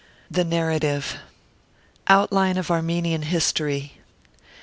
THE NARRATIVE OUTLINE OF ARMENIAN HISTORY.